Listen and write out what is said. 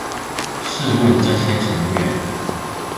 試問這些成員